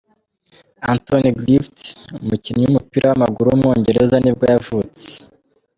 Anthony Griffith, umukinnyi w’umupira w’amaguru w’umwongereza nibwo yavutse.